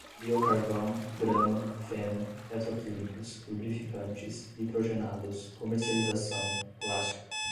biocarvão, grama, feno, petroquímicos, lubrificantes, nitrogenados, comercialização, plástica